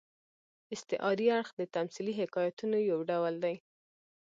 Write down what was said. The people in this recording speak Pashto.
استعاري اړخ د تمثيلي حکایتونو یو ډول دئ.